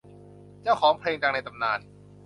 เจ้าของเพลงดังในตำนาน